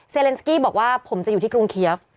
เลนสกี้บอกว่าผมจะอยู่ที่กรุงเคียฟ